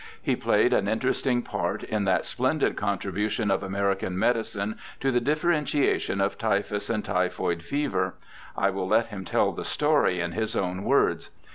He played an interesting part in that splendid contribution of American medicine to the differentiation of typhus and typhoid fever. 1 ' Died April 20, 1902. ALFRED STILL6 237 will let him tell the story in his own words.